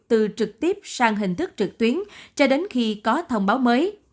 từ trực tiếp sang hình thức trực tuyến cho đến khi có thông báo mới